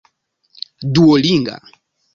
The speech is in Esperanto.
duolinga